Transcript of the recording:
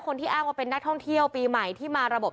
คนที่อ้างว่าเป็นนักท่องเที่ยวปีใหม่ที่มาระบบ